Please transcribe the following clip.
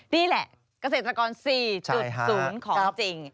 นี่แหละเกษตรกร๔๐ของจริง